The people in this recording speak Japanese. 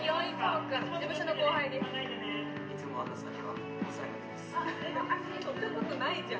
ふふっそんなことないじゃん。